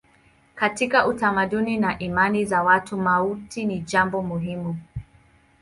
Katika utamaduni na imani za watu mauti ni jambo muhimu.